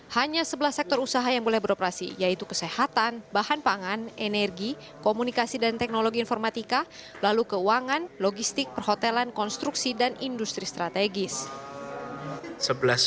hanya sebelas sektor usaha yang boleh beroperasi yaitu kesehatan bahan pangan energi komunikasi dan teknologi informatika lalu keuangan logistik perhotelan konstruksi dan industri strategis